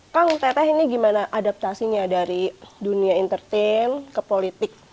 kang teteh ini gimana adaptasinya dari dunia entertain ke politik